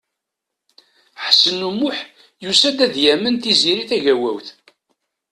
Ḥsen U Muḥ yusa-d ad yamen Tiziri Tagawawt.